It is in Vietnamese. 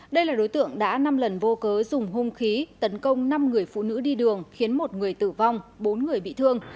đây là đối tượng đã năm lần vô cớ dùng hung khí tấn công năm người phụ nữ đi đường khiến một người tử vong bốn người bị thương